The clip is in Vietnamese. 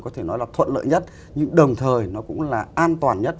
có thể nói là thuận lợi nhất nhưng đồng thời nó cũng là an toàn nhất